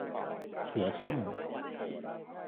เสือซุ่ม